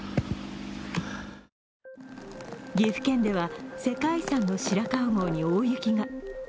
岐阜県では世界遺産の白川郷に大雪が。